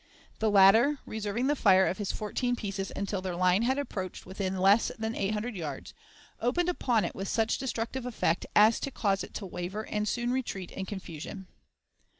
The latter, reserving the fire of his fourteen pieces until their line had approached within less than eight hundred yards, opened upon it with such destructive effect as to cause it to waver and soon retreat in confusion.